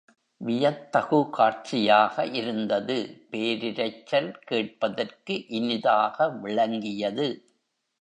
வியத்தகு காட்சியாக இருந்தது பேரிரைச்சல் கேட்பதற்கு இனிதாக விளங்கியது.